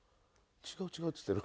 「違う違う」って言ってる。